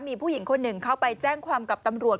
มีผู้หญิงคนหนึ่งเข้าไปแจ้งความกับตำรวจ